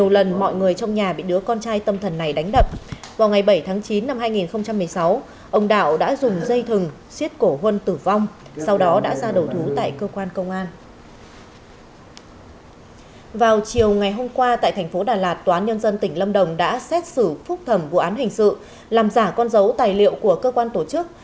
làm giả con dấu tài liệu của cơ quan tổ chức